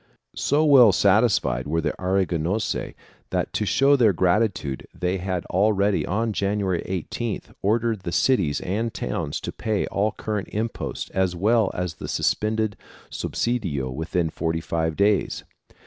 So well satisfied were the Aragonese that to show their gratitude they had already, on January 18th, ordered the cities and towns to pay all current imposts as well as the suspended subsidio within thirty five days.